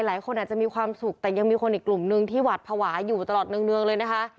หลายคนอาจจะมีความสุขแต่ยังมีคนอีกกลุ่มนึงที่หวัดภาวะอยู่ตลอดเนืองเลยนะคะ